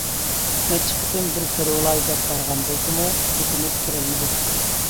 نەچچە قېتىم بىر كۆرۈۋالاي دەپ بارغان بولسىمۇ، پېتىنىپ كىرەلمىدى.